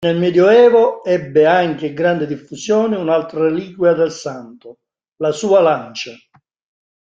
Nel Medioevo ebbe anche grande diffusione un'altra reliquia del santo, la sua lancia.